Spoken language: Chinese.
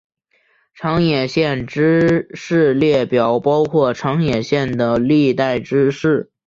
长野县知事列表包括长野县的历代知事。